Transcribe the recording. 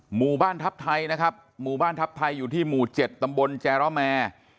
หมู่บ้านทัพไทยนะครับหมู่บ้านทัพไทยอยู่ที่หมู่๗ตำบลแจรแมร์